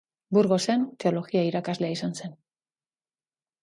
Burgosen, teologia irakaslea izan zen.